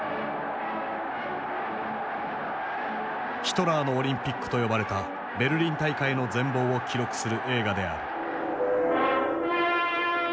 「ヒトラーのオリンピック」と呼ばれたベルリン大会の全貌を記録する映画である。